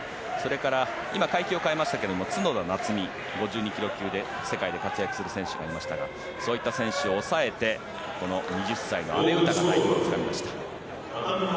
それから今、階級を変えましたが角田夏実ら５２ｋｇ級で活躍する選手がいましたが、抑えてこの２０歳の阿部詩が代表をつかみました。